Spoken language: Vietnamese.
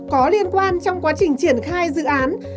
có liên quan trong quá trình triển khai dự án